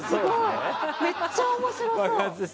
めっちゃ面白そう！